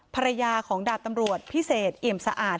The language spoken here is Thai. ภรรยาของดาบตำรวจพิเศษเอี่ยมสะอาด